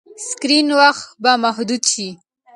سکرین وخت به محدود شي.